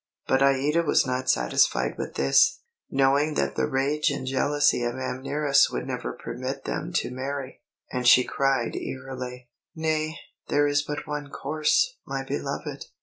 But Aïda was not satisfied with this, knowing that the rage and jealousy of Amneris would never permit them to marry; and she cried eagerly: "Nay, there is but one course, my beloved!